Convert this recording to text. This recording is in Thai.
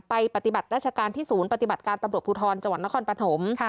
ไปปฏิบัติราชการที่๐ปฏิบัติการตำรวจภูทรจนครปฐม